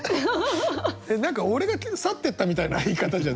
えっ何か俺が去ってったみたいな言い方じゃん。